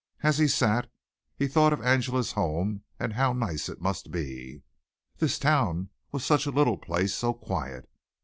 As he sat he thought of Angela's home and how nice it must be. This town was such a little place so quiet.